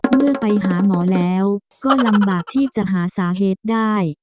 เมื่อไปหาหมอแล้วก็ลำบากที่จะหาสาเหตุได้